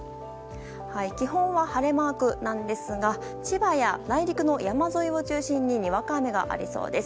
基本は晴れマークなんですが、千葉や内陸の山沿いを中心に、にわか雨がありそうです。